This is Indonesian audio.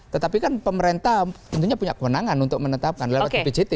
tetapi kan pemerintah tentunya punya kewenangan untuk menetapkan lewat bpjt